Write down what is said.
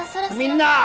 みんな！